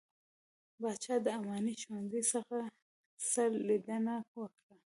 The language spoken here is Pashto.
پاچا د اماني ښوونځي څخه څخه ليدنه وکړه .